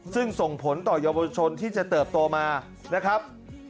ซึ่งส่งผลต่อเยาวชนที่จะเติบโตมานะครับ